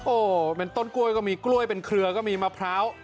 โอ้โหเป็นต้นกล้วยก็มีกล้วยเป็นเครือก็มีมะพร้าว